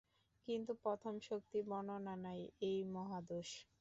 কিন্তু প্রথমে শক্তির বর্ণনা নাই, এই মহাদোষ।